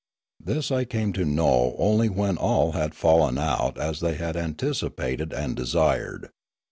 This I came to know only when all had fallen out as they had anticipated and desired.